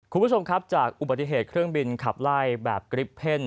คุณผู้ชมครับจากอุบัติเหตุเครื่องบินขับไล่แบบกริปเพ่น